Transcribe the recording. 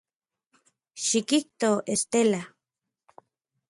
Xikijto, Estela.